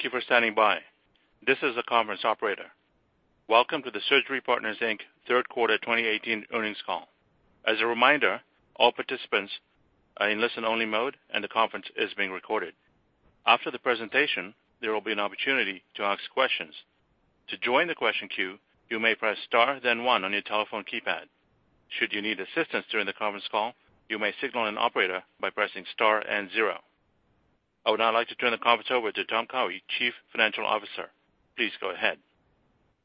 Thank you for standing by. This is the conference operator. Welcome to the Surgery Partners, Inc third quarter 2018 earnings call. As a reminder, all participants are in listen-only mode and the conference is being recorded. After the presentation, there will be an opportunity to ask questions. To join the question queue, you may press star then one on your telephone keypad. Should you need assistance during the conference call, you may signal an operator by pressing star and zero. I would now like to turn the conference over to Tom Cowhey, Chief Financial Officer. Please go ahead.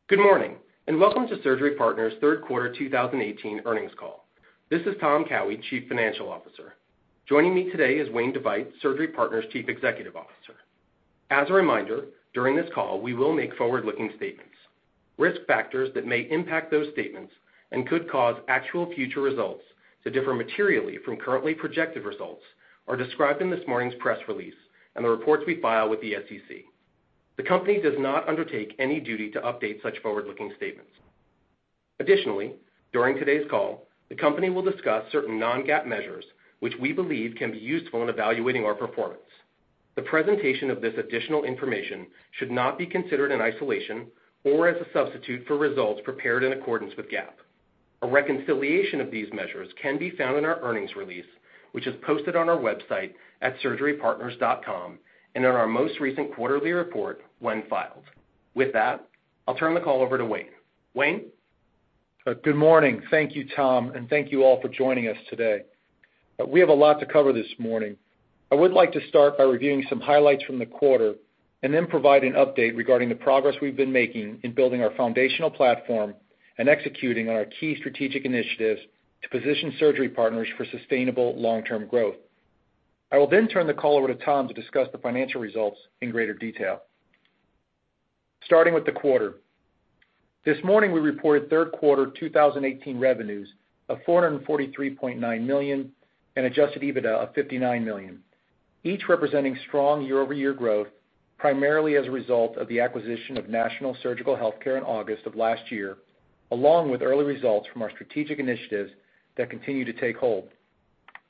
Good morning, and welcome to Surgery Partners' third quarter 2018 earnings call. This is Tom Cowhey, Chief Financial Officer. Joining me today is Wayne DeVeydt, Surgery Partners' Chief Executive Officer. As a reminder, during this call, we will make forward-looking statements. Risk factors that may impact those statements and could cause actual future results to differ materially from currently projected results are described in this morning's press release and the reports we file with the SEC. The company does not undertake any duty to update such forward-looking statements. Additionally, during today's call, the company will discuss certain non-GAAP measures which we believe can be useful in evaluating our performance. The presentation of this additional information should not be considered in isolation or as a substitute for results prepared in accordance with GAAP. A reconciliation of these measures can be found in our earnings release, which is posted on our website at surgerypartners.com and in our most recent quarterly report when filed. With that, I'll turn the call over to Wayne. Wayne? Good morning. Thank you, Tom, and thank you all for joining us today. We have a lot to cover this morning. I would like to start by reviewing some highlights from the quarter and then provide an update regarding the progress we've been making in building our foundational platform and executing on our key strategic initiatives to position Surgery Partners for sustainable long-term growth. I will then turn the call over to Tom to discuss the financial results in greater detail. Starting with the quarter. This morning, we reported third quarter 2018 revenues of $443.9 million and adjusted EBITDA of $59 million, each representing strong year-over-year growth primarily as a result of the acquisition of National Surgical Healthcare in August of last year, along with early results from our strategic initiatives that continue to take hold.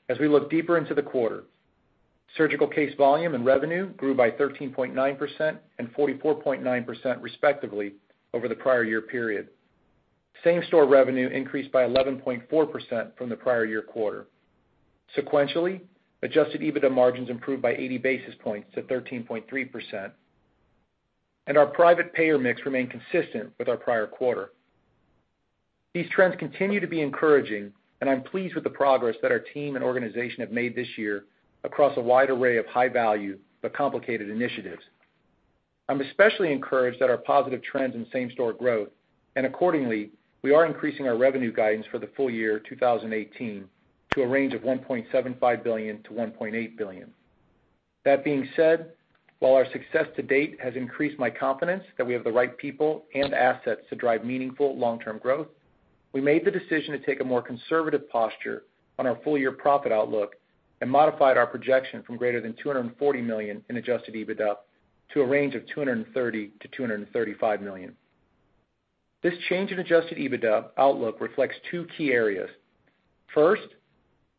As we look deeper into the quarter, surgical case volume and revenue grew by 13.9% and 44.9%, respectively, over the prior year period. Same-store revenue increased by 11.4% from the prior year quarter. Sequentially, adjusted EBITDA margins improved by 80 basis points to 13.3%, and our private payer mix remained consistent with our prior quarter. These trends continue to be encouraging, and I'm pleased with the progress that our team and organization have made this year across a wide array of high value but complicated initiatives. I'm especially encouraged at our positive trends in same-store growth. Accordingly, we are increasing our revenue guidance for the full year 2018 to a range of $1.75 billion-$1.8 billion. That being said, while our success to date has increased my confidence that we have the right people and assets to drive meaningful long-term growth, we made the decision to take a more conservative posture on our full-year profit outlook and modified our projection from greater than $240 million in adjusted EBITDA to a range of $230 million-$235 million. This change in adjusted EBITDA outlook reflects two key areas. First,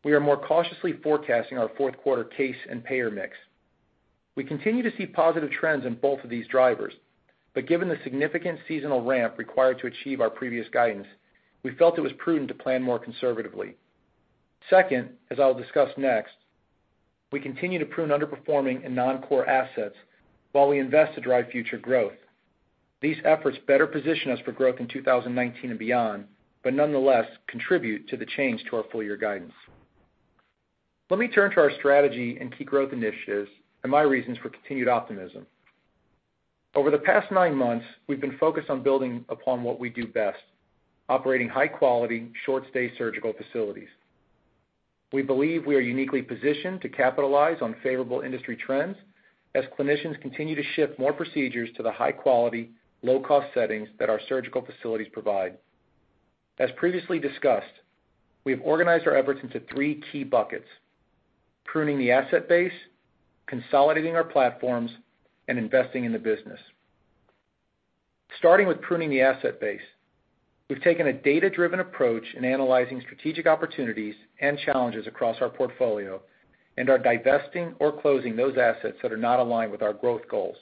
we are more cautiously forecasting our fourth quarter case and payer mix. We continue to see positive trends in both of these drivers, but given the significant seasonal ramp required to achieve our previous guidance, we felt it was prudent to plan more conservatively. Second, as I'll discuss next, we continue to prune underperforming and non-core assets while we invest to drive future growth. These efforts better position us for growth in 2019 and beyond. Nonetheless, they contribute to the change to our full year guidance. Let me turn to our strategy and key growth initiatives and my reasons for continued optimism. Over the past nine months, we've been focused on building upon what we do best, operating high quality, short-stay surgical facilities. We believe we are uniquely positioned to capitalize on favorable industry trends as clinicians continue to shift more procedures to the high quality, low-cost settings that our surgical facilities provide. As previously discussed, we have organized our efforts into three key buckets, pruning the asset base, consolidating our platforms, and investing in the business. Starting with pruning the asset base, we've taken a data-driven approach in analyzing strategic opportunities and challenges across our portfolio and are divesting or closing those assets that are not aligned with our growth goals.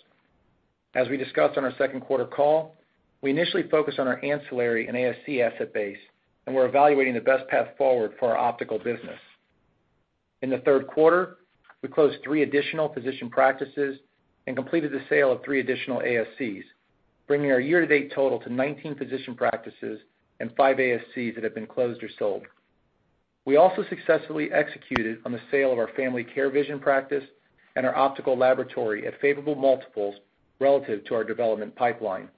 As we discussed on our second quarter call, we initially focused on our ancillary and ASC asset base and we're evaluating the best path forward for our optical business. In the third quarter, we closed three additional physician practices and completed the sale of three additional ASCs, bringing our year-to-date total to 19 physician practices and five ASCs that have been closed or sold. We also successfully executed on the sale of our family care vision practice and our optical laboratory at favorable multiples relative to our development pipeline.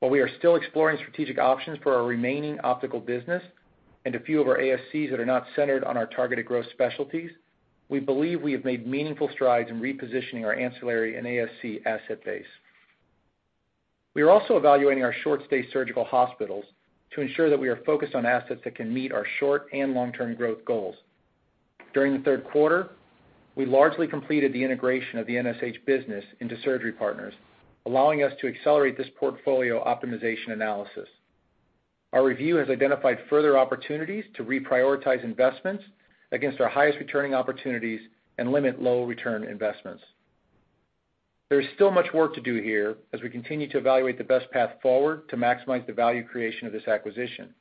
While we are still exploring strategic options for our remaining optical business and a few of our ASCs that are not centered on our targeted growth specialties, we believe we have made meaningful strides in repositioning our ancillary and ASC asset base. We are also evaluating our short-stay surgical hospitals to ensure that we are focused on assets that can meet our short-term and long-term growth goals. During the third quarter, we largely completed the integration of the NSH business into Surgery Partners, allowing us to accelerate this portfolio optimization analysis. Our review has identified further opportunities to reprioritize investments against our highest returning opportunities and limit low return investments. There is still much work to do here as we continue to evaluate the best path forward to maximize the value creation of this acquisition.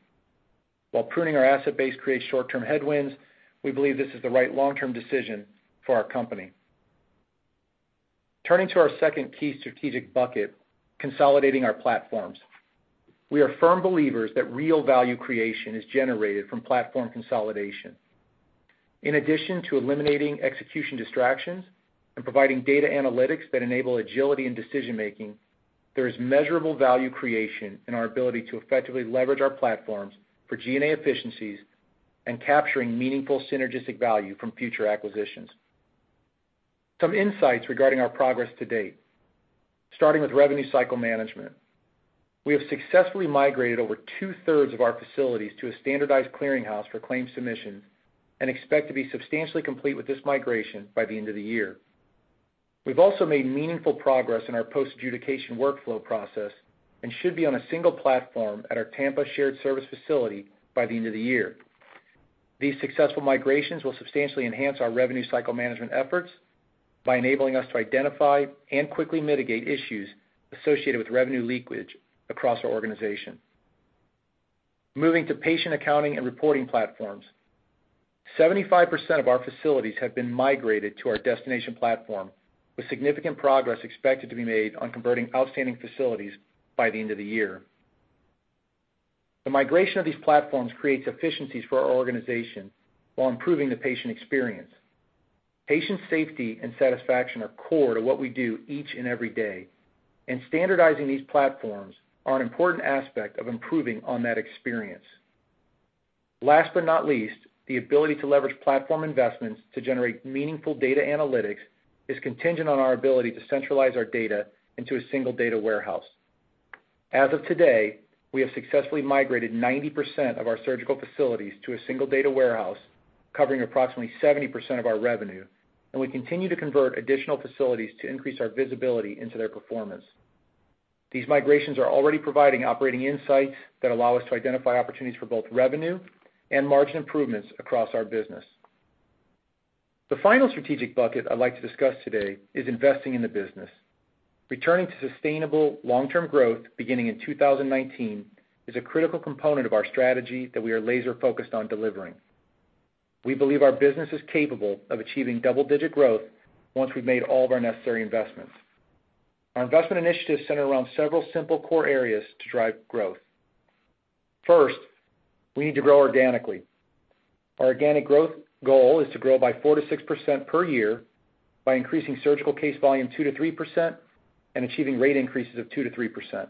While pruning our asset base creates short-term headwinds, we believe this is the right long-term decision for our company. Turning to our second key strategic bucket, consolidating our platforms. We are firm believers that real value creation is generated from platform consolidation. In addition to eliminating execution distractions and providing data analytics that enable agility in decision-making, there is measurable value creation in our ability to effectively leverage our platforms for G&A efficiencies and capturing meaningful synergistic value from future acquisitions. Some insights regarding our progress to date, starting with Revenue Cycle Management. We have successfully migrated over 2/3 of our facilities to a standardized clearinghouse for claim submission and expect to be substantially complete with this migration by the end of the year. We've also made meaningful progress in our post-adjudication workflow process and should be on a single platform at our Tampa shared service facility by the end of the year. These successful migrations will substantially enhance our Revenue Cycle Management efforts by enabling us to identify and quickly mitigate issues associated with revenue leakage across our organization. Moving to patient accounting and reporting platforms, 75% of our facilities have been migrated to our destination platform, with significant progress expected to be made on converting outstanding facilities by the end of the year. The migration of these platforms creates efficiencies for our organization while improving the patient experience. Patient safety and satisfaction are core to what we do each and every day, and standardizing these platforms are an important aspect of improving on that experience. Last but not least, the ability to leverage platform investments to generate meaningful data analytics is contingent on our ability to centralize our data into a single data warehouse. As of today, we have successfully migrated 90% of our surgical facilities to a single data warehouse, covering approximately 70% of our revenue, and we continue to convert additional facilities to increase our visibility into their performance. These migrations are already providing operating insights that allow us to identify opportunities for both revenue and margin improvements across our business. The final strategic bucket I'd like to discuss today is investing in the business. Returning to sustainable long-term growth beginning in 2019 is a critical component of our strategy that we are laser-focused on delivering. We believe our business is capable of achieving double-digit growth once we've made all of our necessary investments. Our investment initiatives center around several simple core areas to drive growth. First, we need to grow organically. Our organic growth goal is to grow by 4%-6% per year by increasing surgical case volume 2%-3% and achieving rate increases of 2%-3%.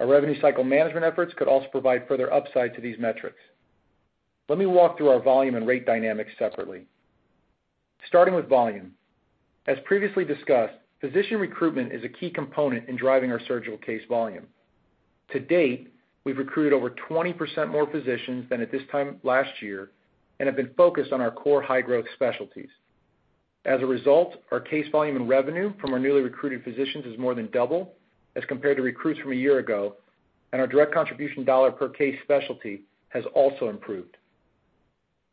Our Revenue Cycle Management efforts could also provide further upside to these metrics. Let me walk through our volume and rate dynamics separately. Starting with volume. As previously discussed, physician recruitment is a key component in driving our surgical case volume. To date, we've recruited over 20% more physicians than at this time last year and have been focused on our core high-growth specialties. As a result, our case volume and revenue from our newly recruited physicians is more than double as compared to recruits from a year ago, and our direct contribution dollar per case specialty has also improved.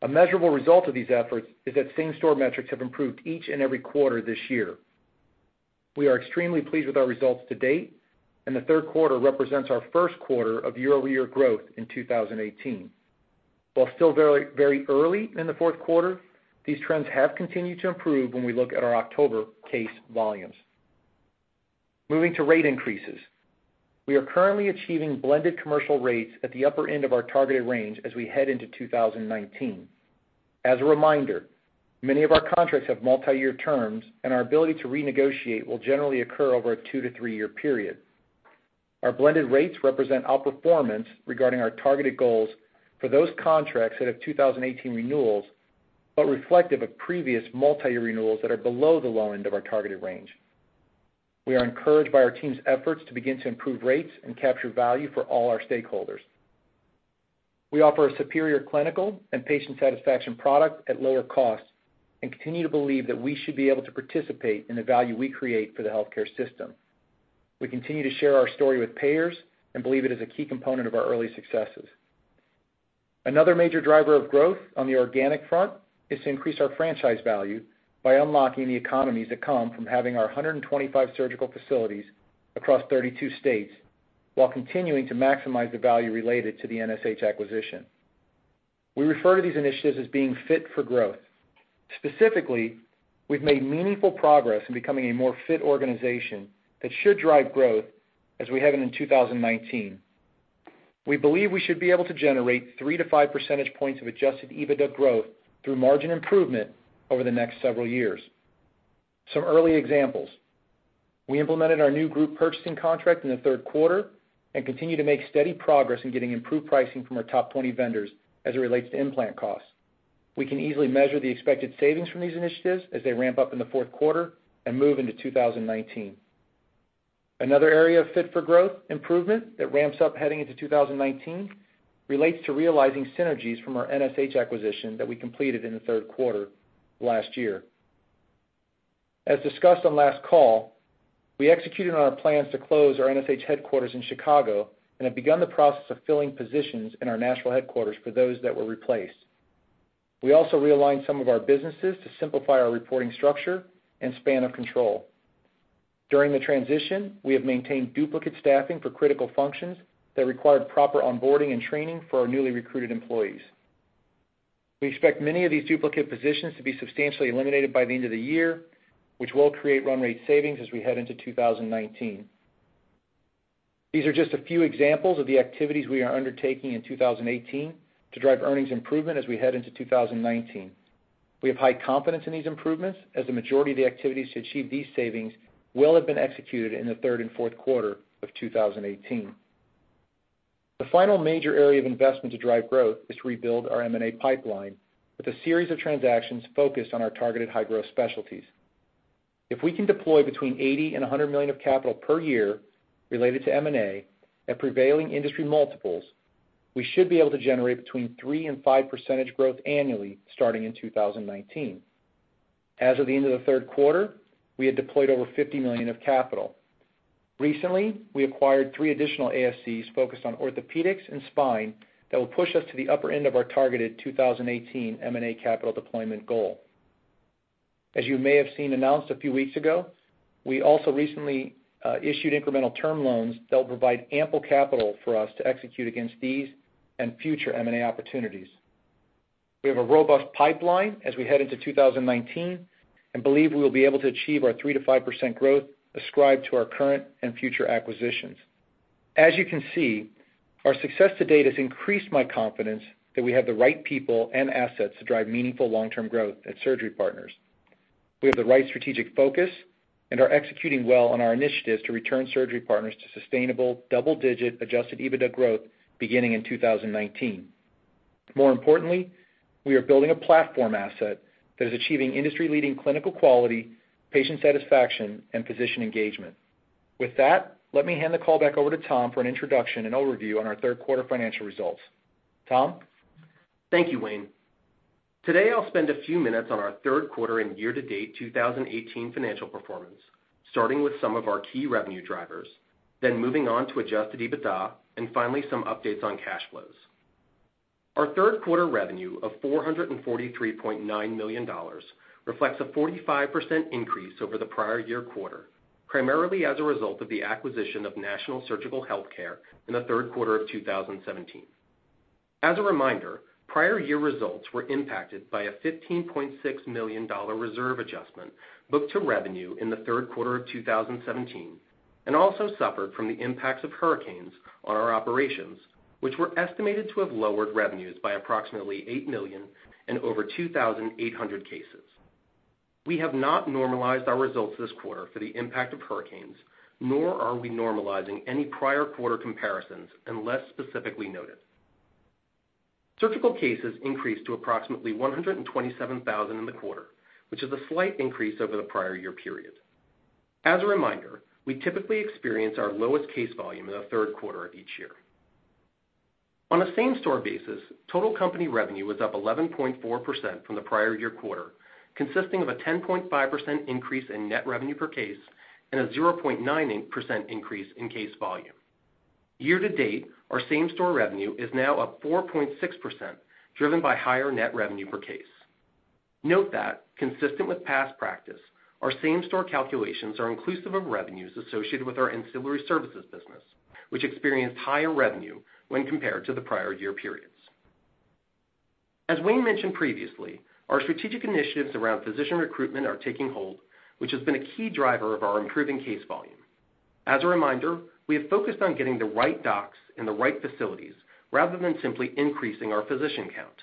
A measurable result of these efforts is that same-store metrics have improved each and every quarter this year. We are extremely pleased with our results to date, and the third quarter represents our first quarter of year-over-year growth in 2018. While still very early in the fourth quarter, these trends have continued to improve when we look at our October case volumes. Moving to rate increases. We are currently achieving blended commercial rates at the upper end of our targeted range as we head into 2019. As a reminder, many of our contracts have multiyear terms, and our ability to renegotiate will generally occur over a two-to-three year period. Our blended rates represent outperformance regarding our targeted goals for those contracts that have 2018 renewals, but reflective of previous multiyear renewals that are below the low end of our targeted range. We are encouraged by our team's efforts to begin to improve rates and capture value for all our stakeholders. We offer a superior clinical and patient satisfaction product at lower costs and continue to believe that we should be able to participate in the value we create for the healthcare system. We continue to share our story with payers and believe it is a key component of our early successes. Another major driver of growth on the organic front is to increase our franchise value by unlocking the economies that come from having our 125 surgical facilities across 32 states while continuing to maximize the value related to the NSH acquisition. We refer to these initiatives as being Fit for Growth. Specifically, we've made meaningful progress in becoming a more fit organization that should drive growth as we head into 2019. We believe we should be able to generate 3-5 percentage points of adjusted EBITDA growth through margin improvement over the next several years. Some early examples. We implemented our new group purchasing contract in the third quarter and continue to make steady progress in getting improved pricing from our top 20 vendors as it relates to implant costs. We can easily measure the expected savings from these initiatives as they ramp up in the fourth quarter and move into 2019. Another area of Fit-for-Growth improvement that ramps up heading into 2019 relates to realizing synergies from our NSH acquisition that we completed in the third quarter last year. As discussed on last call, we executed on our plans to close our NSH headquarters in Chicago and have begun the process of filling positions in our national headquarters for those that were replaced. We also realigned some of our businesses to simplify our reporting structure and span of control. During the transition, we have maintained duplicate staffing for critical functions that required proper onboarding and training for our newly recruited employees. We expect many of these duplicate positions to be substantially eliminated by the end of the year, which will create run rate savings as we head into 2019. These are just a few examples of the activities we are undertaking in 2018 to drive earnings improvement as we head into 2019. We have high confidence in these improvements as the majority of the activities to achieve these savings will have been executed in the third and fourth quarter of 2018. The final major area of investment to drive growth is to rebuild our M&A pipeline with a series of transactions focused on our targeted high-growth specialties. If we can deploy between $80 million and $100 million of capital per year related to M&A at prevailing industry multiples, we should be able to generate between 3% and 5% growth annually starting in 2019. As of the end of the third quarter, we had deployed over $50 million of capital. Recently, we acquired three additional ASCs focused on orthopedics and spine that will push us to the upper end of our targeted 2018 M&A capital deployment goal. As you may have seen announced a few weeks ago, we also recently issued incremental term loans that'll provide ample capital for us to execute against these and future M&A opportunities. We have a robust pipeline as we head into 2019 and believe we will be able to achieve our 3% to 5% growth ascribed to our current and future acquisitions. As you can see, our success to date has increased my confidence that we have the right people and assets to drive meaningful long-term growth at Surgery Partners. We have the right strategic focus and are executing well on our initiatives to return Surgery Partners to sustainable double-digit adjusted EBITDA growth beginning in 2019. More importantly, we are building a platform asset that is achieving industry-leading clinical quality, patient satisfaction, and physician engagement. With that, let me hand the call back over to Tom for an introduction and overview on our third quarter financial results. Tom? Thank you, Wayne. Today, I'll spend a few minutes on our third quarter and year-to-date 2018 financial performance, starting with some of our key revenue drivers, then moving on to adjusted EBITDA, and finally, some updates on cash flows. Our third quarter revenue of $443.9 million reflects a 45% increase over the prior year quarter, primarily as a result of the acquisition of National Surgical Healthcare in the third quarter of 2017. As a reminder, prior year results were impacted by a $15.6 million reserve adjustment booked to revenue in the third quarter of 2017 and also suffered from the impacts of hurricanes on our operations, which were estimated to have lowered revenues by approximately $8 million and over 2,800 cases. We have not normalized our results this quarter for the impact of hurricanes, nor are we normalizing any prior quarter comparisons unless specifically noted. Surgical cases increased to approximately 127,000 in the quarter, which is a slight increase over the prior year period. As a reminder, we typically experience our lowest case volume in the third quarter of each year. On a same-store basis, total company revenue was up 11.4% from the prior year quarter, consisting of a 10.5% increase in net revenue per case and a 0.9% increase in case volume. Year to date, our same-store revenue is now up 4.6%, driven by higher net revenue per case. Note that, consistent with past practice, our same-store calculations are inclusive of revenues associated with our ancillary services business, which experienced higher revenue when compared to the prior year periods. As Wayne mentioned previously, our strategic initiatives around physician recruitment are taking hold, which has been a key driver of our improving case volume. As a reminder, we have focused on getting the right docs in the right facilities rather than simply increasing our physician count.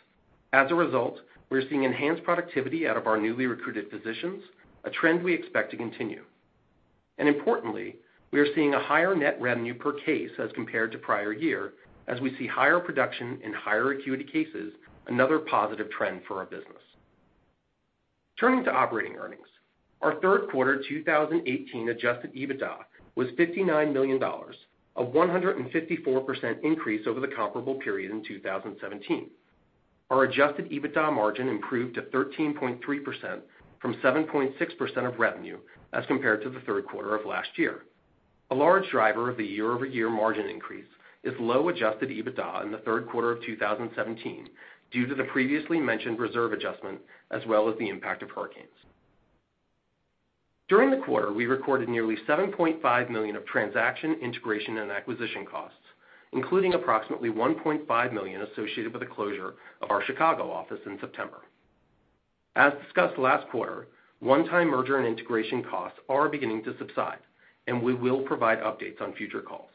As a result, we are seeing enhanced productivity out of our newly recruited physicians, a trend we expect to continue. Importantly, we are seeing a higher net revenue per case as compared to prior year as we see higher production and higher acuity cases, another positive trend for our business. Turning to operating earnings. Our third quarter 2018 adjusted EBITDA was $59 million, a 154% increase over the comparable period in 2017. Our adjusted EBITDA margin improved to 13.3% from 7.6% of revenue as compared to the third quarter of last year. A large driver of the year-over-year margin increase is low adjusted EBITDA in the third quarter of 2017 due to the previously mentioned reserve adjustment as well as the impact of hurricanes. During the quarter, we recorded nearly $7.5 million of transaction, integration, and acquisition costs, including approximately $1.5 million associated with the closure of our Chicago office in September. As discussed last quarter, one-time merger and integration costs are beginning to subside, and we will provide updates on future calls.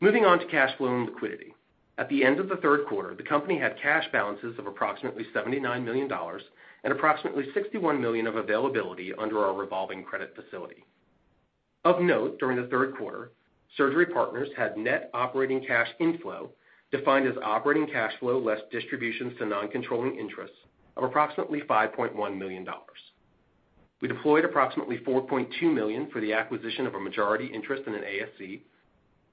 Moving on to cash flow and liquidity. At the end of the third quarter, the company had cash balances of approximately $79 million and approximately $61 million of availability under our revolving credit facility. Of note, during the third quarter, Surgery Partners had net operating cash inflow, defined as operating cash flow less distributions to non-controlling interests, of approximately $5.1 million. We deployed approximately $4.2 million for the acquisition of a majority interest in an ASC.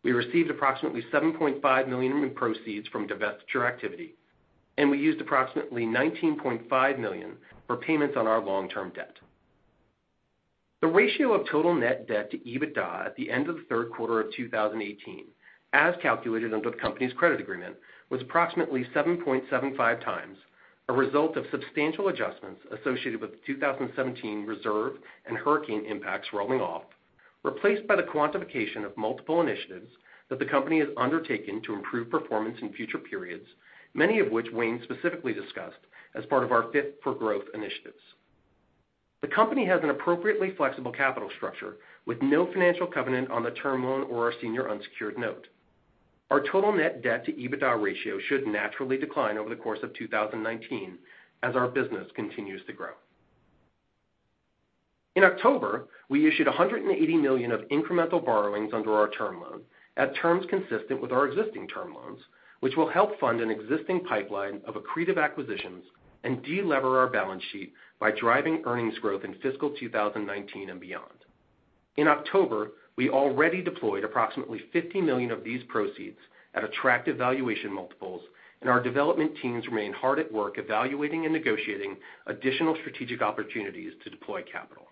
We received approximately $7.5 million in proceeds from divestiture activity, and we used approximately $19.5 million for payments on our long-term debt. The ratio of total net debt to EBITDA at the end of the third quarter of 2018, as calculated under the company's credit agreement, was approximately 7.75x, a result of substantial adjustments associated with the 2017 reserve and hurricane impacts rolling off, replaced by the quantification of multiple initiatives that the company has undertaken to improve performance in future periods, many of which Wayne specifically discussed as part of our Fit for Growth initiatives. The company has an appropriately flexible capital structure with no financial covenant on the term loan or our senior unsecured note. Our total net debt to EBITDA ratio should naturally decline over the course of 2019 as our business continues to grow. In October, we issued $180 million of incremental borrowings under our term loan at terms consistent with our existing term loans, which will help fund an existing pipeline of accretive acquisitions and de-lever our balance sheet by driving earnings growth in fiscal 2019 and beyond. In October, we already deployed approximately $50 million of these proceeds at attractive valuation multiples. Our development teams remain hard at work evaluating and negotiating additional strategic opportunities to deploy capital.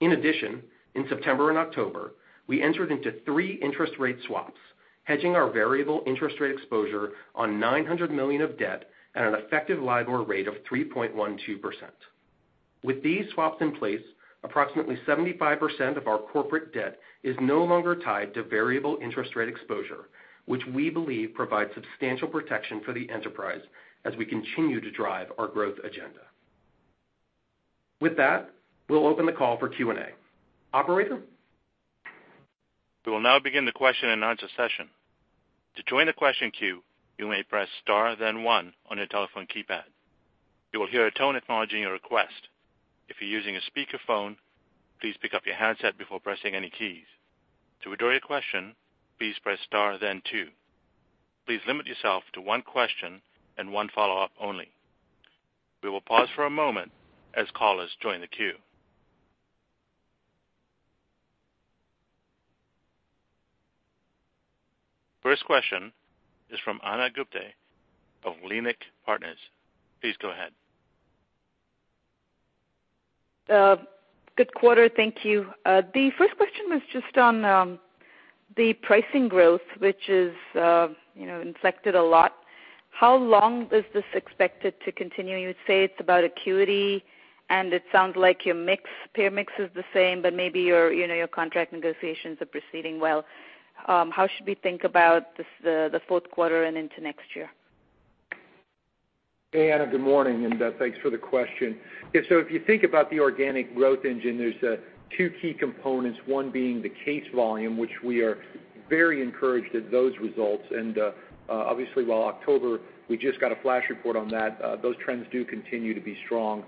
In addition, in September and October, we entered into three interest rate swaps, hedging our variable interest rate exposure on $900 million of debt at an effective LIBOR rate of 3.12%. With these swaps in place, approximately 75% of our corporate debt is no longer tied to variable interest rate exposure, which we believe provides substantial protection for the enterprise as we continue to drive our growth agenda. With that, we will open the call for Q&A. Operator? We will now begin the question-and-answer session. To join the question queue, you may press star then one on your telephone keypad. You will hear a tone acknowledging your request. If you are using a speakerphone, please pick up your handset before pressing any keys. To withdraw your question, please press star then two. Please limit yourself to one question and one follow-up only. We will pause for a moment as callers join the queue. First question is from Ana Gupte of Leerink Partners. Please go ahead. Good quarter. Thank you. The first question was just on the pricing growth, which has inflicted a lot. How long is this expected to continue? You would say it is about acuity. It sounds like your payer mix is the same, maybe your contract negotiations are proceeding well. How should we think about the fourth quarter and into next year? Hey, Ana. Good morning. Thanks for the question. If you think about the organic growth engine, there's two key components, one being the case volume, which we are very encouraged at those results. Obviously, while October, we just got a flash report on that, those trends do continue to be strong,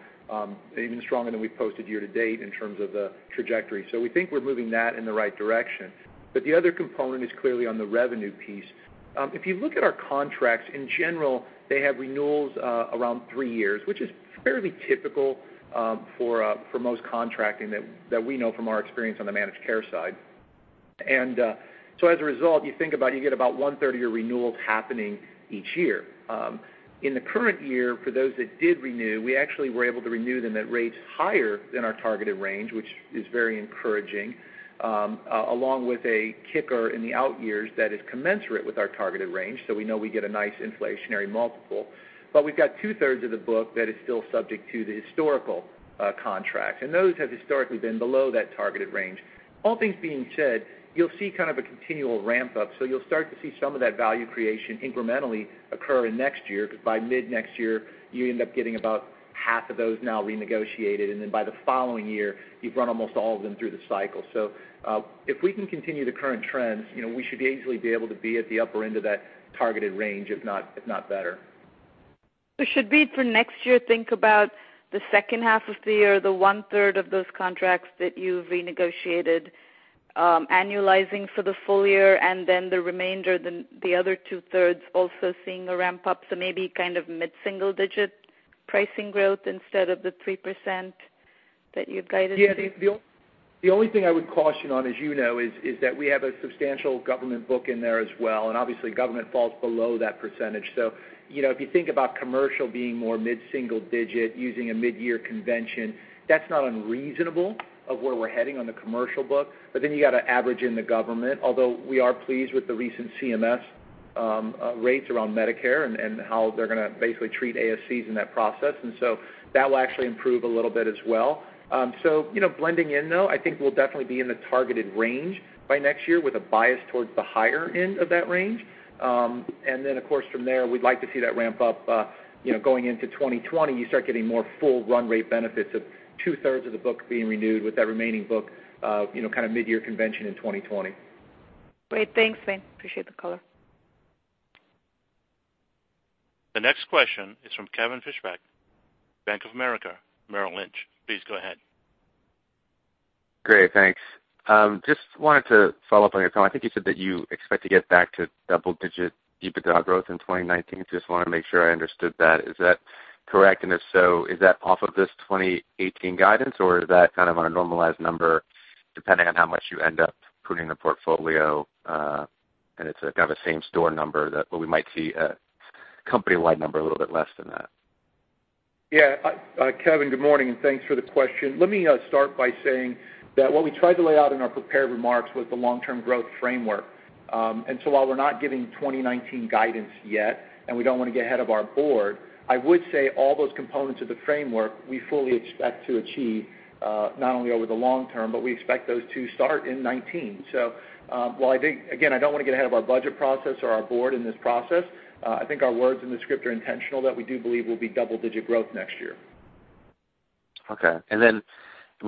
even stronger than we've posted year to date in terms of the trajectory. We think we're moving that in the right direction. The other component is clearly on the revenue piece. If you look at our contracts, in general, they have renewals around three years, which is fairly typical for most contracting that we know from our experience on the managed care side. As a result, you think about it, you get about 1/3 of your renewals happening each year. In the current year, for those that did renew, we actually were able to renew them at rates higher than our targeted range, which is very encouraging, along with a kicker in the out years that is commensurate with our targeted range. We know we get a nice inflationary multiple. We've got 2/3 of the book that is still subject to the historical contracts, and those have historically been below that targeted range. All things being said, you'll see kind of a continual ramp up. You'll start to see some of that value creation incrementally occur in next year, because by mid next year, you end up getting about half of those now renegotiated, and then by the following year, you've run almost all of them through the cycle. If we can continue the current trends, we should easily be able to be at the upper end of that targeted range, if not better. Should we for next year think about the second half of the year, the 1/3 of those contracts that you've renegotiated, annualizing for the full year and then the remainder, the other 2/3 also seeing a ramp up? Maybe kind of mid-single digit pricing growth instead of the 3% that you've guided to. Yeah. The only thing I would caution on, as you know, is that we have a substantial government book in there as well, and obviously government falls below that percentage. If you think about commercial being more mid-single digit using a mid-year convention, that's not unreasonable of where we're heading on the commercial book. You got to average in the government, although we are pleased with the recent CMS rates around Medicare and how they're going to basically treat ASCs in that process. That will actually improve a little bit as well. Blending in though, I think we'll definitely be in the targeted range by next year with a bias towards the higher end of that range. Of course from there, we'd like to see that ramp up going into 2020. You start getting more full run rate benefits of 2/3 of the book being renewed with that remaining book, kind of mid-year convention in 2020. Great. Thanks, Wayne. Appreciate the color. The next question is from Kevin Fischbeck, Bank of America Merrill Lynch. Please go ahead. Great. Thanks. Just wanted to follow up on your call. I think you said that you expect to get back to double-digit EBITDA growth in 2019. Just wanted to make sure I understood that. Is that correct? And if so, is that off of this 2018 guidance or is that on a normalized number depending on how much you end up putting in the portfolio, and it's a kind of same-store number that we might see a company-wide number a little bit less than that? Kevin, good morning, and thanks for the question. Let me start by saying that what we tried to lay out in our prepared remarks was the long-term growth framework. While we're not giving 2019 guidance yet, and we don't want to get ahead of our board, I would say all those components of the framework we fully expect to achieve, not only over the long term, but we expect those to start in 2019. While I think, again, I don't want to get ahead of our budget process or our board in this process, I think our words in the script are intentional that we do believe will be double-digit growth next year. Okay. When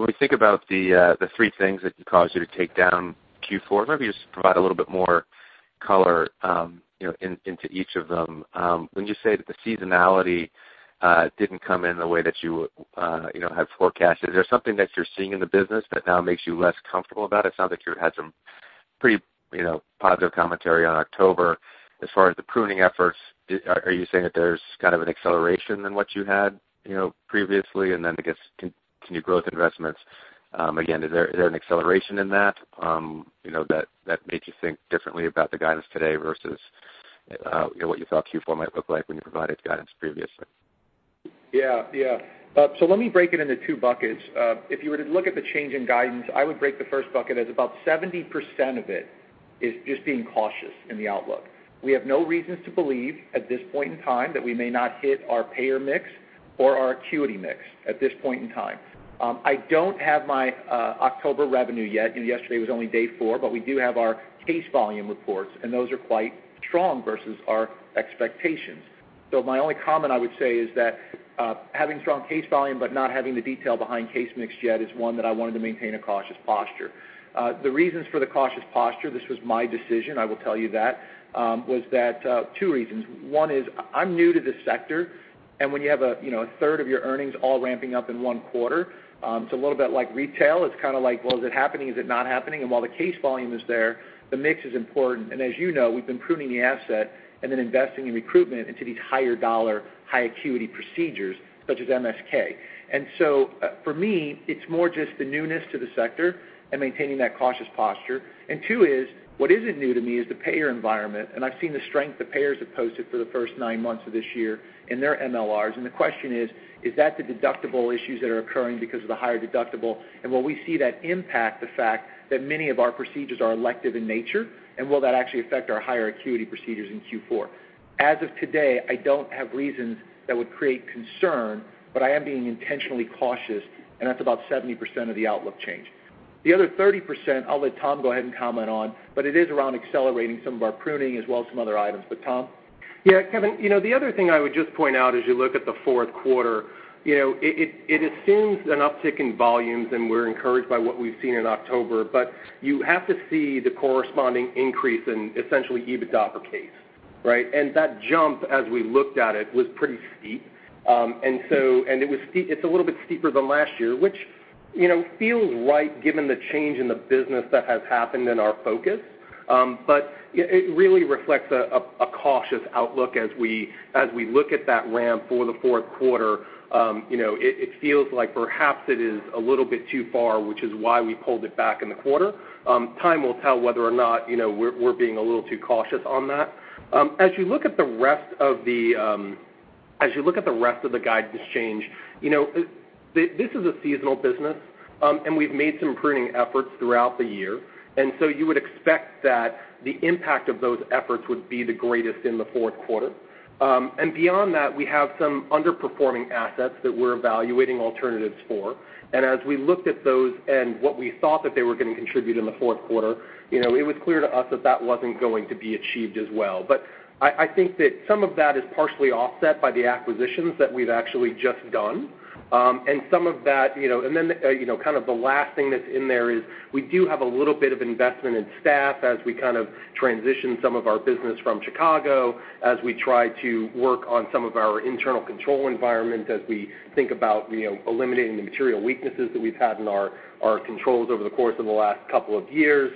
we think about the three things that caused you to take down Q4, maybe just provide a little bit more color into each of them. When you say that the seasonality didn't come in the way that you had forecasted, is there something that you're seeing in the business that now makes you less comfortable about it? It's not that you had some pretty positive commentary on October. As far as the pruning efforts, are you saying that there's kind of an acceleration in what you had previously? I guess, continued growth investments, again, is there an acceleration in that made you think differently about the guidance today versus what you thought Q4 might look like when you provided guidance previously? Let me break it into two buckets. If you were to look at the change in guidance, I would break the first bucket as about 70% of it is just being cautious in the outlook. We have no reasons to believe at this point in time that we may not hit our payer mix or our acuity mix at this point in time. I don't have my October revenue yet, and yesterday was only day four, but we do have our case volume reports, and those are quite strong versus our expectations. My only comment I would say is that having strong case volume but not having the detail behind case mix yet is one that I wanted to maintain a cautious posture. The reasons for the cautious posture, this was my decision, I will tell you that, was two reasons. One is I'm new to this sector. When you have a third of your earnings all ramping up in one quarter, it's a little bit like retail. It's kind of like, well, is it happening? Is it not happening? While the case volume is there, the mix is important. As you know, we've been pruning the asset and then investing in recruitment into these higher dollar, high acuity procedures such as MSK. For me, it's more just the newness to the sector and maintaining that cautious posture. Two is, what isn't new to me is the payer environment, and I've seen the strength the payers have posted for the first nine months of this year in their MLRs. The question is that the deductible issues that are occurring because of the higher deductible? Will we see that impact the fact that many of our procedures are elective in nature? Will that actually affect our higher acuity procedures in Q4? As of today, I don't have reasons that would create concern, but I am being intentionally cautious, and that's about 70% of the outlook change. The other 30%, I'll let Tom go ahead and comment on, but it is around accelerating some of our pruning as well as some other items. Tom? Yeah, Kevin, the other thing I would just point out as you look at the fourth quarter, it assumes an uptick in volumes, and we're encouraged by what we've seen in October. You have to see the corresponding increase in essentially EBITDA per case, right? That jump, as we looked at it, was pretty steep. It's a little bit steeper than last year, which feels right given the change in the business that has happened and our focus. It really reflects a cautious outlook as we look at that ramp for the fourth quarter. It feels like perhaps it is a little bit too far, which is why we pulled it back in the quarter. Time will tell whether or not we're being a little too cautious on that. As you look at the rest of the guidance change, this is a seasonal business. We've made some pruning efforts throughout the year. You would expect that the impact of those efforts would be the greatest in the fourth quarter. Beyond that, we have some underperforming assets that we're evaluating alternatives for. As we looked at those and what we thought that they were going to contribute in the fourth quarter, it was clear to us that that wasn't going to be achieved as well. I think that some of that is partially offset by the acquisitions that we've actually just done. The last thing that's in there is we do have a little bit of investment in staff as we transition some of our business from Chicago, as we try to work on some of our internal control environment, as we think about eliminating the material weaknesses that we've had in our controls over the course of the last couple of years.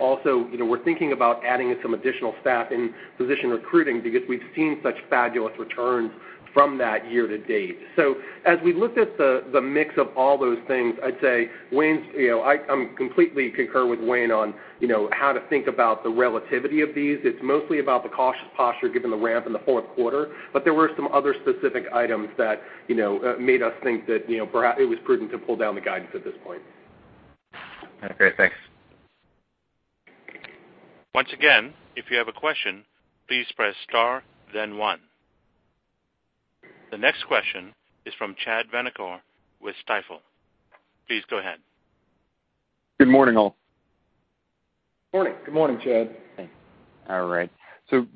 Also, we're thinking about adding some additional staff in physician recruiting because we've seen such fabulous returns from that year to date. As we looked at the mix of all those things, I'd say I completely concur with Wayne on how to think about the relativity of these. It's mostly about the cautious posture given the ramp in the fourth quarter, there were some other specific items that made us think that it was prudent to pull down the guidance at this point. Okay, thanks. Once again, if you have a question, please press star then one. The next question is from Chad Vanacore with Stifel. Please go ahead. Good morning, all. Morning. Good morning, Chad.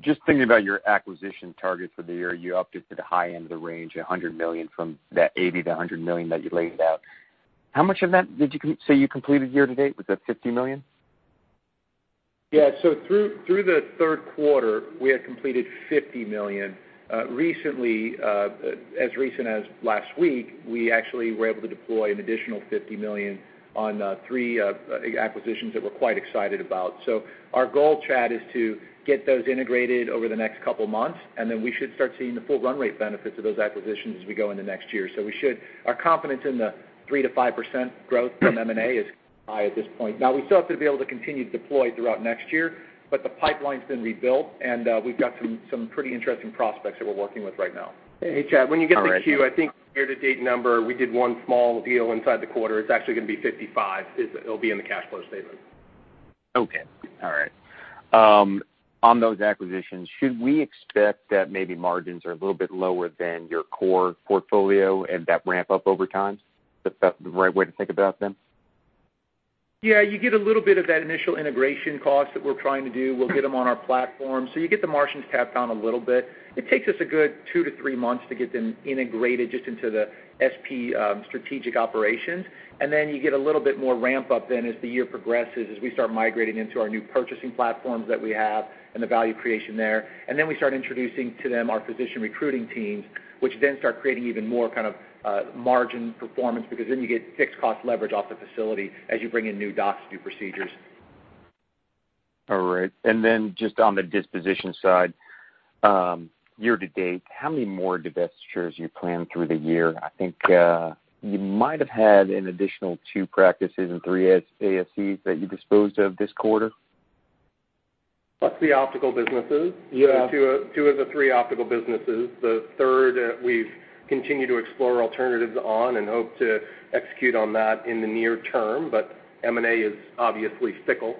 Just thinking about your acquisition target for the year, you upped it to the high end of the range, $100 million from that $80 million-$100 million that you laid out. How much of that did you say you completed year-to-date? Was that $50 million? Through the third quarter, we had completed $50 million. As recent as last week, we actually were able to deploy an additional $50 million on three acquisitions that we're quite excited about. Our goal, Chad, is to get those integrated over the next couple of months, and then we should start seeing the full run rate benefits of those acquisitions as we go into next year. Our confidence in the 3%-5% growth from M&A is high at this point. We still have to be able to continue to deploy throughout next year, but the pipeline's been rebuilt, and we've got some pretty interesting prospects that we're working with right now. Hey, Chad, when you get the Q, I think year-to-date number, we did one small deal inside the quarter. It's actually going to be $55. It'll be in the cash flow statement. Okay. All right. On those acquisitions, should we expect that maybe margins are a little bit lower than your core portfolio and that ramp up over time? Is that the right way to think about them? Yeah, you get a little bit of that initial integration cost that we're trying to do. We'll get them on our platform. You get the margins tapped down a little bit. It takes us a good two to three months to get them integrated just into the SP strategic operations. You get a little bit more ramp up then as the year progresses, as we start migrating into our new purchasing platforms that we have and the value creation there. We start introducing to them our physician recruiting teams, which then start creating even more margin performance, because then you get fixed cost leverage off the facility as you bring in new docs, new procedures. All right. Just on the disposition side, year to date, how many more divestitures do you plan through the year? I think you might have had an additional two practices and three ASCs that you disposed of this quarter. Plus the optical businesses. Yeah. Two of the three optical businesses. The third, we've continued to explore alternatives on and hope to execute on that in the near term. M&A is obviously fickle.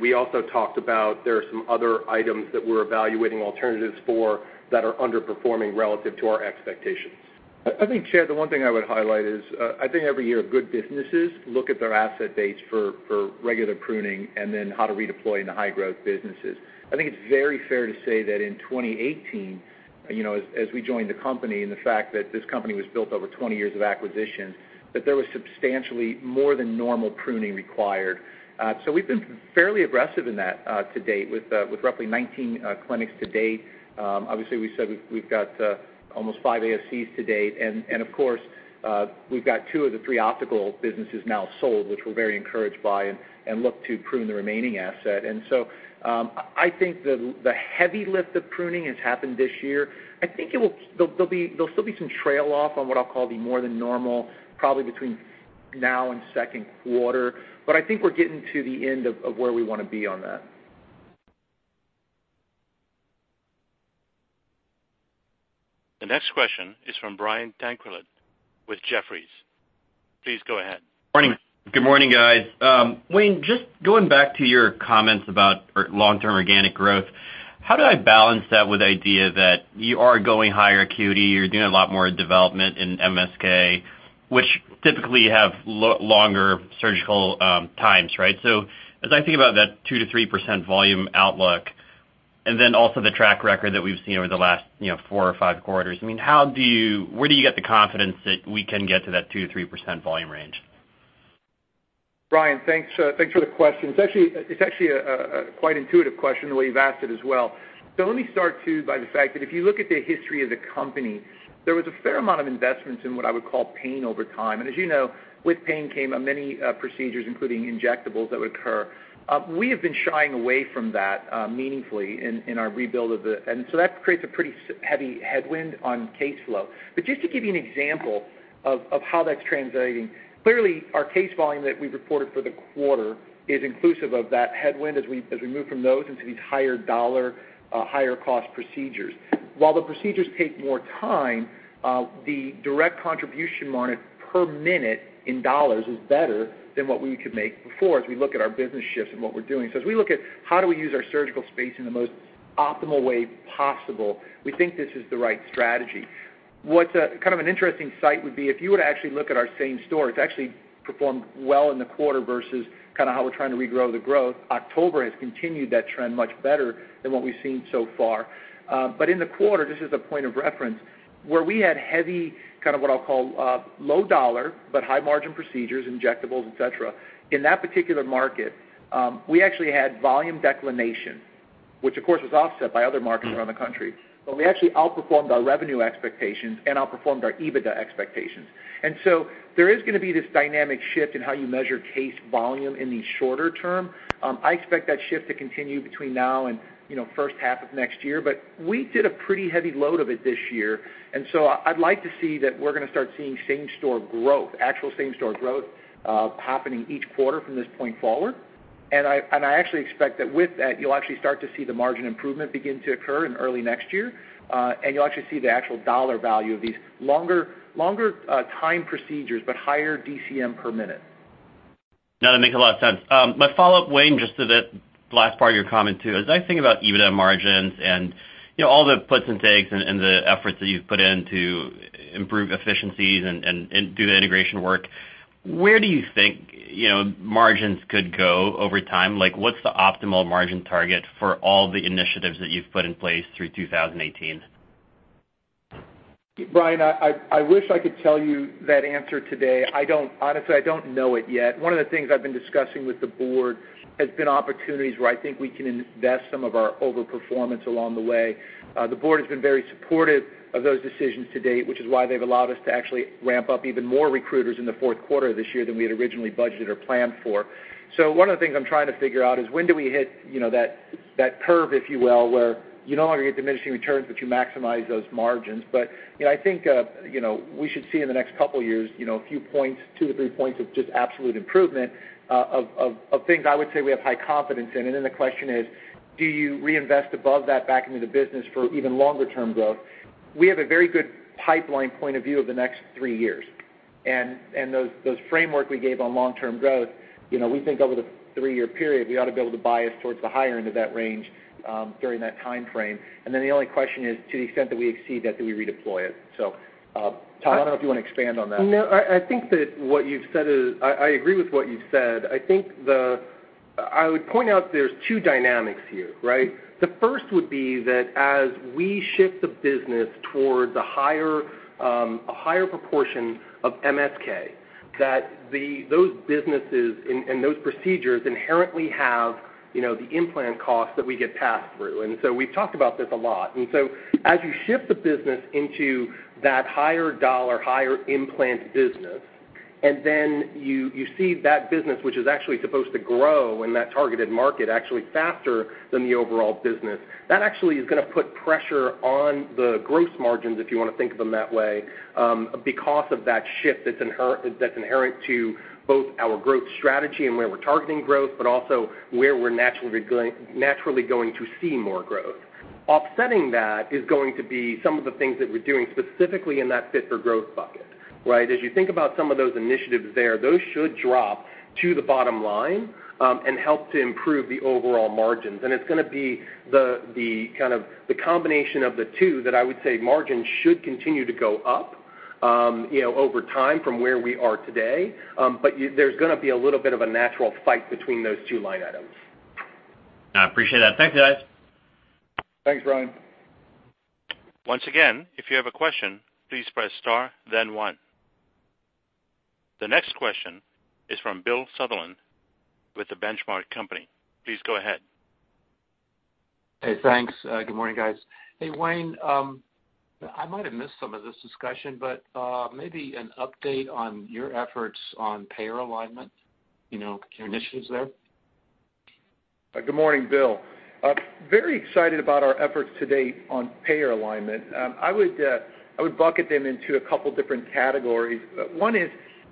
We also talked about there are some other items that we're evaluating alternatives for that are underperforming relative to our expectations. I think, Chad, the one thing I would highlight is, I think every year, good businesses look at their asset base for regular pruning and then how to redeploy in the high-growth businesses. I think it's very fair to say that in 2018, as we joined the company, and the fact that this company was built over 20 years of acquisition, that there was substantially more than normal pruning required. We've been fairly aggressive in that to date with roughly 19 clinics to date. Obviously, we said we've got almost five ASCs to date. Of course, we've got two of the three optical businesses now sold, which we're very encouraged by, and look to prune the remaining asset. I think the heavy lift of pruning has happened this year. I think there'll still be some trail off on what I'll call the more than normal, probably between now and second quarter. I think we're getting to the end of where we want to be on that. The next question is from Brian Tanquilut with Jefferies. Please go ahead. Good morning, guys. Wayne, just going back to your comments about long-term organic growth, how do I balance that with the idea that you are going higher acuity, you're doing a lot more development in MSK, which typically have longer surgical times, right? As I think about that 2%-3% volume outlook, and then also the track record that we've seen over the last four or five quarters, where do you get the confidence that we can get to that 2%-3% volume range? Brian, thanks for the question. It's actually a quite intuitive question, the way you've asked it as well. Let me start, too, by the fact that if you look at the history of the company, there was a fair amount of investments in what I would call pain over time. As you know, with pain came many procedures, including injectables that would occur. We have been shying away from that meaningfully in our rebuild of it, that creates a pretty heavy headwind on case flow. Just to give you an example of how that's translating, clearly, our case volume that we reported for the quarter is inclusive of that headwind as we move from those into these higher dollar, higher cost procedures. While the procedures take more time, the direct contribution margin per minute in dollars is better than what we could make before as we look at our business shifts and what we're doing. As we look at how do we use our surgical space in the most optimal way possible, we think this is the right strategy. What kind of an interesting sight would be if you were to actually look at our same store, it's actually performed well in the quarter versus how we're trying to regrow the growth. October has continued that trend much better than what we've seen so far. In the quarter, just as a point of reference, where we had heavy, kind of what I'll call low dollar, but high margin procedures, injectables, et cetera, in that particular market, we actually had volume declination, which of course was offset by other markets around the country, but we actually outperformed our revenue expectations and outperformed our EBITDA expectations. There is going to be this dynamic shift in how you measure case volume in the shorter term. I expect that shift to continue between now and first half of next year, we did a pretty heavy load of it this year, I'd like to see that we're going to start seeing same store growth, actual same store growth, happening each quarter from this point forward. I actually expect that with that, you'll actually start to see the margin improvement begin to occur in early next year, and you'll actually see the actual dollar value of these longer time procedures, but higher DCM per minute. That makes a lot of sense. My follow-up, Wayne, just to the last part of your comment, too. As I think about EBITDA margins and all the puts and takes and the efforts that you've put in to improve efficiencies and do the integration work, where do you think margins could go over time? What's the optimal margin target for all the initiatives that you've put in place through 2018? Brian, I wish I could tell you that answer today. Honestly, I don't know it yet. One of the things I've been discussing with the board has been opportunities where I think we can invest some of our over-performance along the way. The board has been very supportive of those decisions to date, which is why they've allowed us to actually ramp up even more recruiters in the fourth quarter of this year than we had originally budgeted or planned for. One of the things I'm trying to figure out is when do we hit that curve, if you will, where you no longer get diminishing returns, but you maximize those margins. I think we should see in the next couple of years, a few points, two to three points of just absolute improvement of things I would say we have high confidence in. The question is: Do you reinvest above that back into the business for even longer-term growth? We have a very good pipeline point of view of the next three years. Those framework we gave on long-term growth, we think over the three-year period, we ought to be able to bias towards the higher end of that range during that timeframe. The only question is, to the extent that we exceed that, do we redeploy it? Tom, I don't know if you want to expand on that. No, I agree with what you've said. I would point out there's two dynamics here, right? The first would be that as we shift the business towards a higher proportion of MSK, that those businesses and those procedures inherently have the implant costs that we get passed through. We've talked about this a lot. As you shift the business into that higher dollar, higher implant business, then you see that business, which is actually supposed to grow in that targeted market, actually faster than the overall business. That actually is going to put pressure on the gross margins, if you want to think of them that way, because of that shift that's inherent to both our growth strategy and where we're targeting growth, but also where we're naturally going to see more growth. Offsetting that is going to be some of the things that we're doing specifically in that Fit for Growth bucket, right? As you think about some of those initiatives there, those should drop to the bottom line and help to improve the overall margins. It's going to be the combination of the two that I would say margins should continue to go up over time from where we are today. There's going to be a little bit of a natural fight between those two line items. I appreciate that. Thank you, guys. Thanks, Brian. Once again, if you have a question, please press star, then one. The next question is from Bill Sutherland with The Benchmark Company. Please go ahead. Hey, thanks. Good morning, guys. Hey, Wayne, I might have missed some of this discussion, maybe an update on your efforts on payer alignment, your initiatives there. Good morning, Bill. Very excited about our efforts to date on payer alignment. I would bucket them into a couple different categories. One is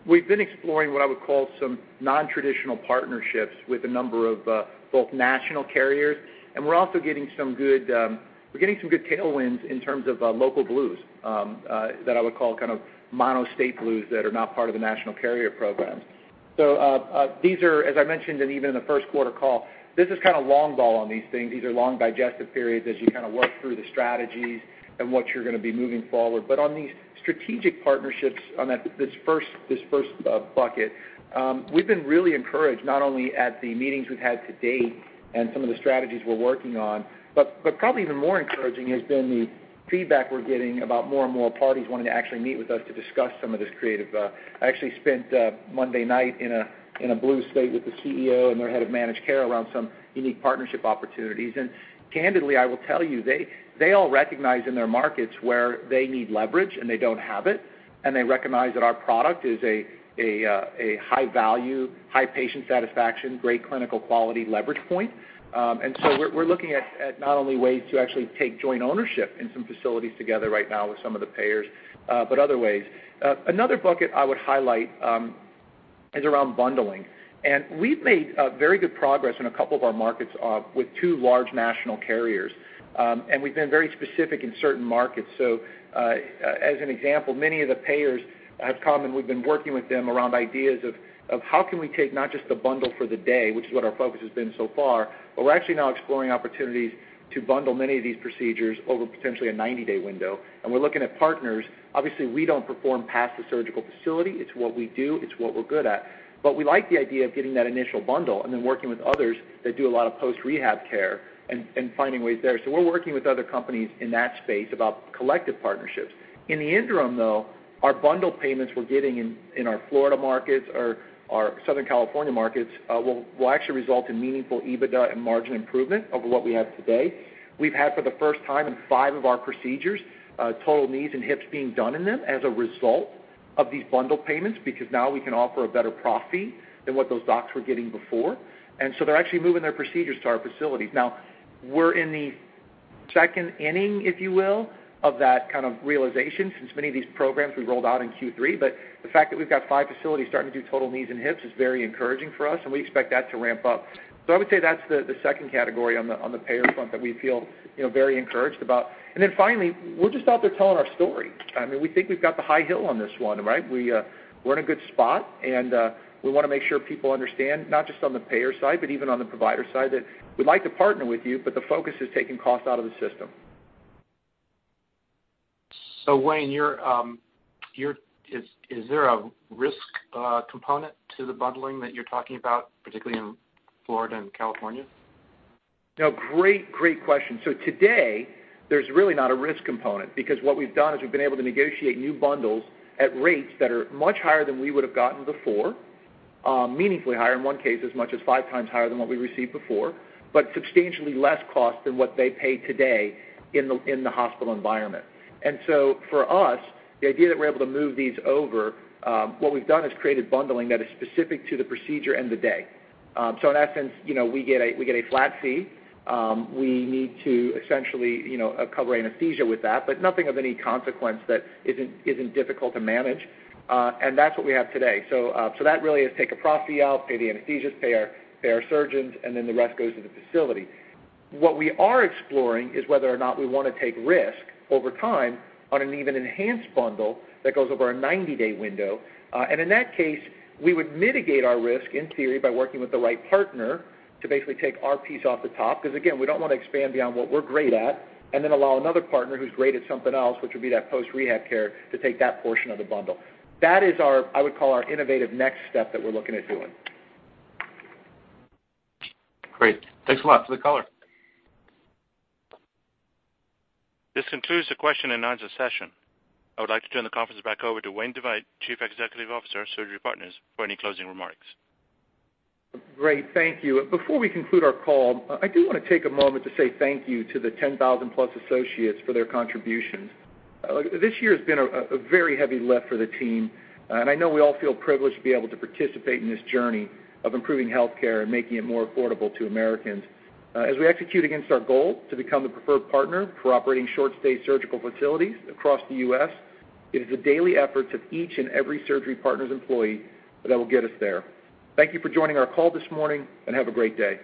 we've been exploring what I would call some non-traditional partnerships with a number of both national carriers, and we're also getting some good tailwinds in terms of local blues, that I would call mono state blues that are not part of the national carrier programs. These are, as I mentioned, and even in the first quarter call, this is long ball on these things. These are long digestive periods as you work through the strategies and what you're going to be moving forward. On these strategic partnerships, on this first bucket, we've been really encouraged, not only at the meetings we've had to date and some of the strategies we're working on, but probably even more encouraging has been the feedback we're getting about more and more parties wanting to actually meet with us to discuss some of this creative. I actually spent Monday night in a blue state with the CEO and their head of managed care around some unique partnership opportunities. Candidly, I will tell you, they all recognize in their markets where they need leverage, and they don't have it, and they recognize that our product is a high value, high patient satisfaction, great clinical quality leverage point. We're looking at not only ways to actually take joint ownership in some facilities together right now with some of the payers, but other ways. Another bucket I would highlight is around bundling. We've made very good progress in a couple of our markets with two large national carriers. We've been very specific in certain markets. As an example, many of the payers have come, and we've been working with them around ideas of how can we take not just the bundle for the day, which is what our focus has been so far, but we're actually now exploring opportunities to bundle many of these procedures over potentially a 90-day window. We're looking at partners. Obviously, we don't perform past the surgical facility. It's what we do. It's what we're good at. We like the idea of getting that initial bundle and then working with others that do a lot of post-rehab care and finding ways there. We're working with other companies in that space about collective partnerships. In the interim, though, our bundle payments we're getting in our Florida markets or our Southern California markets will actually result in meaningful EBITDA and margin improvement over what we have today. We've had, for the first time in five of our procedures, total knees and hips being done in them as a result of these bundle payments, because now we can offer a better profit than what those docs were getting before. They're actually moving their procedures to our facilities. We're in the second inning, if you will, of that kind of realization, since many of these programs we rolled out in Q3. The fact that we've got five facilities starting to do total knees and hips is very encouraging for us, and we expect that to ramp up. I would say that's the second category on the payer front that we feel very encouraged about. Finally, we're just out there telling our story. I mean, we think we've got the high hill on this one, right? We're in a good spot. We want to make sure people understand, not just on the payer side, but even on the provider side, that we'd like to partner with you. The focus is taking cost out of the system. Wayne, is there a risk component to the bundling that you're talking about, particularly in Florida and California? No, great question. Today, there's really not a risk component because what we've done is we've been able to negotiate new bundles at rates that are much higher than we would have gotten before, meaningfully higher in one case, as much as five times higher than what we received before, but substantially less cost than what they pay today in the hospital environment. For us, the idea that we're able to move these over, what we've done is created bundling that is specific to the procedure and the day. In essence, we get a flat fee. We need to essentially cover anesthesia with that, but nothing of any consequence that isn't difficult to manage. That's what we have today. That really is take a profit out, pay the anesthetists, pay our surgeons, and then the rest goes to the facility. What we are exploring is whether or not we want to take risk over time on an even enhanced bundle that goes over a 90-day window. In that case, we would mitigate our risk, in theory, by working with the right partner to basically take our piece off the top, because again, we don't want to expand beyond what we're great at, and then allow another partner who's great at something else, which would be that post-rehab care, to take that portion of the bundle. That is our, I would call our innovative next step that we're looking at doing. Great. Thanks a lot for the color. This concludes the question-and-answer session. I would like to turn the conference back over to Wayne DeVeydt, Chief Executive Officer, Surgery Partners, for any closing remarks. Great. Thank you. Before we conclude our call, I do want to take a moment to say thank you to the 10,000+ associates for their contributions. This year has been a very heavy lift for the team, and I know we all feel privileged to be able to participate in this journey of improving healthcare and making it more affordable to Americans. As we execute against our goal to become the preferred partner for operating short-stay surgical facilities across the U.S., it is the daily efforts of each and every Surgery Partners employee that will get us there. Thank you for joining our call this morning, and have a great day.